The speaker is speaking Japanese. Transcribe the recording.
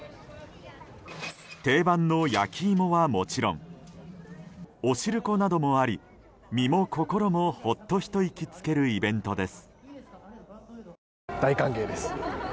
定番の焼きイモはもちろんおしるこなどもあり身も心もほっとひと息つけるイベントです。